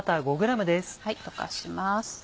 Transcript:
溶かします。